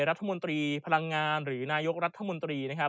รัฐมนตรีพลังงานหรือนายกรัฐมนตรีนะครับ